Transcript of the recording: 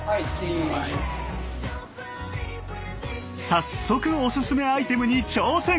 早速おすすめアイテムに挑戦！